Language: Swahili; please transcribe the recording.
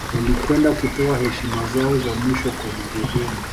Walikwenda kutoa heshima zao za mwisho kwa marehemu